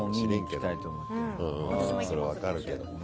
それは分かるけど。